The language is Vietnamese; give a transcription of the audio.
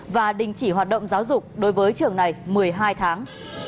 và đình chỉ hoạt động giáo dục đối với trường này một mươi hai tháng